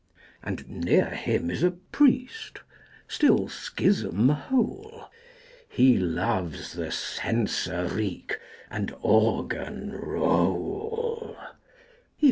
And near him is a priest Still schism whole; He loves the censer reek And organ roll.